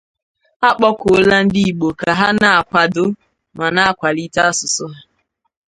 A kpọkuola ndị Igbo ka ha na-akwàdo ma na-akwàlite asụsụ ha